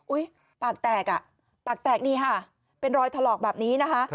อุ๊ยปากแตกนี่ค่ะเป็นรอยถลอกแบบนี้นะคะ